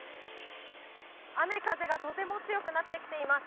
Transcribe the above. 雨風がとても強くなってきています。